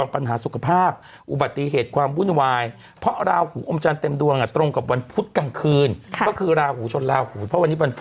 นุ่มเป็นคนเปิดประเดน